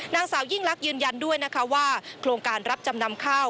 นางสาวยิ่งลักษณ์ยืนยันด้วยนะคะว่าโครงการรับจำนำข้าว